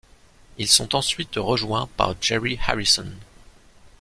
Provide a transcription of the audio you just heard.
Ils sont ensuite rejoints par Jerry Harrison.